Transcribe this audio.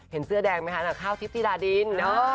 เห็นเสื้อแดงมั้ยคะกล้าวจิพธิดาดิน